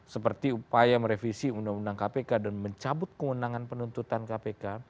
seperti upaya merevisi undang undang kpk dan mencabut kewenangan penuntutan kpk